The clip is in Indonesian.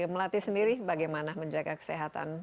melati sendiri bagaimana menjaga kesehatan